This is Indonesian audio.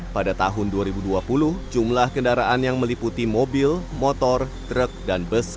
pada tahun dua ribu dua puluh jumlah kendaraan yang meliputi mobil motor truk dan bus